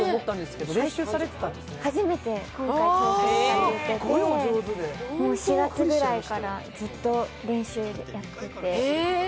初めて今回挑戦されて、４月ぐらいからずっと練習やってて。